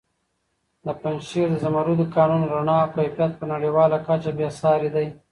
د پنجشېر د زمردو کانونو رڼا او کیفیت په نړیواله کچه بې ساري دی.